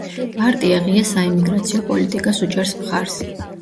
პარტია ღია საიმიგრაციო პოლიტიკას უჭერს მხარს.